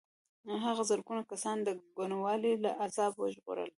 هغه زرګونه کسان د کوڼوالي له عذابه وژغورل.